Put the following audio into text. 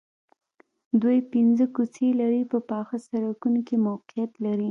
دوی پنځه کوڅې لرې په پاخه سړکونو کې موقعیت لري